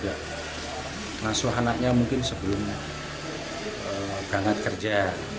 langsung anaknya mungkin sebelum banget kerja